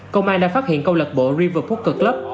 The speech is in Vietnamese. công an đã phát hiện công lập bộ river poker club